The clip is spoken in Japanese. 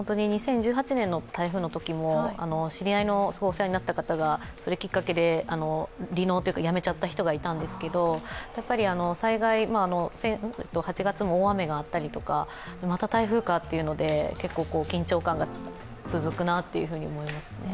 ２０１８年の台風のときも知り合いのすごいお世話になった方がそれをきっかけで、辞めてしまった方がいたんですけど、災害、８月も大雨があったり、また台風かということで緊張感が続くなと思いますね。